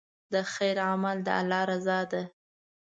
د خیر عمل د الله رضا ده.